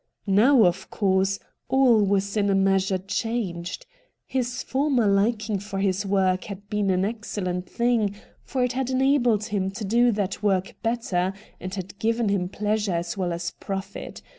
Now, of course, all was in a measure changed. His former liking for his work had been an excellent thing, for it had enabled him to do that work better, and had given him pleasure as well as profit.